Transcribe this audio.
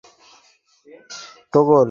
বাবা কবে আসবে আপনি জানেন?